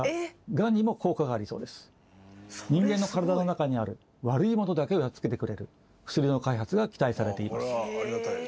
人間の体の中にある悪いものだけをやっつけてくれる薬の開発が期待されています。